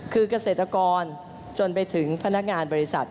คือกระเศรษฐกรจนไปถึงพนักงานบริษัท